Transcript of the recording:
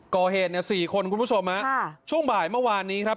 ก่อเหตุเนี่ยสี่คนคุณผู้ชมฮะช่วงบ่ายเมื่อวานนี้ครับ